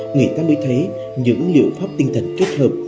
người ta mới thấy những liệu pháp tinh thần kết hợp